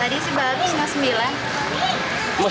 tadi sebab sembilan